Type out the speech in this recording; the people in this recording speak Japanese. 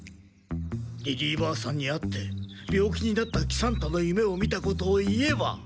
リリーばあさんに会って病気になった喜三太の夢を見たことを言えば。